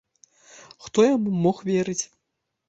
Хто яму мог верыць?